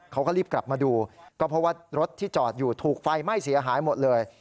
เขาก็รีบกลับมาดูก็เพราะว่ารถที่จอดอยู่ถูกไฟไหม้เสียหายหมดเลย